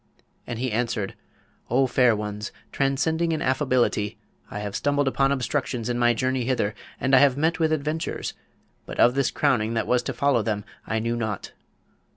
And he answered, 'O fair ones, transcending in affability, I have stumbled upon obstructions in my journey hither, and I have met with adventures, but of this crowning that was to follow them I knew nought.